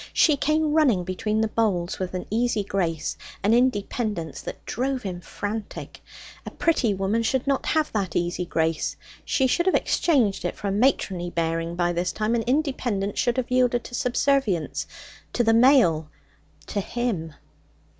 She came running between the boles with an easy grace, an independence that drove him frantic. A pretty woman should not have that easy grace; she should have exchanged it for a matronly bearing by this time, and independence should have yielded to subservience to the male, to him.